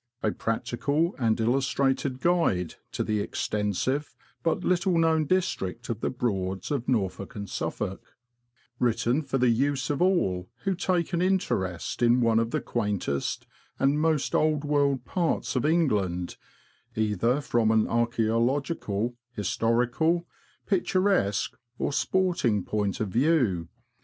, k Practical and Illustrated Guide to the Extensive but little known District of the Broads of Norfolk and Suffolk, Written for the use of alt who take an interest in one of the Quaintest and most Old World parts of England, either from an Archceological, Historical, Picturesque, or Sporting point of view.